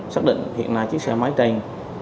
xác định hiện nay chiếc xe máy trang